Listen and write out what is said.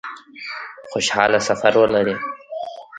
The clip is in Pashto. خوشحاله سفر ولري